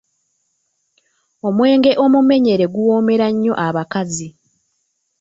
Omwenge omumenyere guwoomera nnyo abakazi.